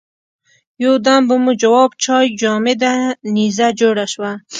یو دم به مو جواب چای جامده نيزه جوړه شوه.